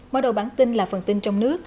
mở đầu bản tin là phần tin trong nước